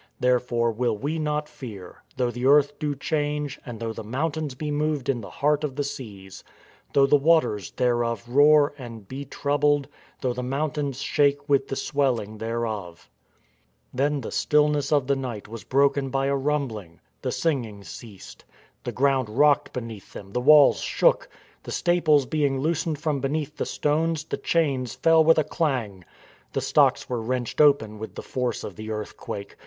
Therefore will we not fear, though the earth do change And though the mountains be moved in the heart of the seas ; Though the waters thereof roar and be troubled, Though the mountains shake with the swelling thereof." Ps. 69. Ps. 46. 196 STORM AND STRESS Then the stillness of the night was broken by a rumbling. The singing ceased. The ground rocked beneath them; the walls shook. The staples being loosened from between the stones, the chains fell with a clang. The stocks were wrenched open with the force of the earthquake.